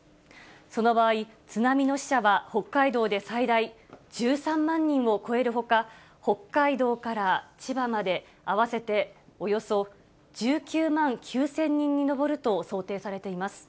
その場合、津波の死者は、北海道で最大１３万人を超えるほか、北海道から千葉まで、合わせておよそ１９万９０００人に上ると想定されています。